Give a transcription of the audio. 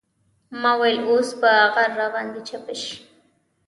ما ويل اوس به غر راباندې چپه سي.